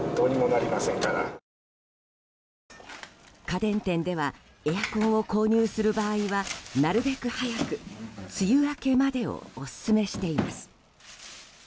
家電店ではエアコンを購入する場合はなるべく早く、梅雨明けまでをオススメしています。